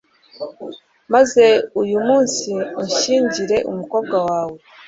maze uyu munsi unshyingire umukobwa wawe